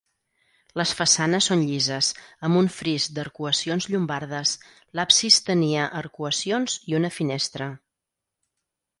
Les façanes són llises amb un fris d'arcuacions llombardes, l'absis tenia arcuacions i una finestra.